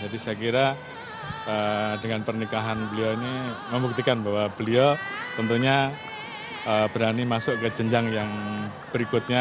jadi saya kira dengan pernikahan beliau ini membuktikan bahwa beliau tentunya berani masuk ke jenjang yang berikutnya